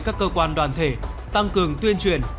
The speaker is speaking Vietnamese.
các cơ quan đoàn thể tăng cường tuyên truyền